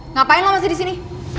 ngapain lo masih disini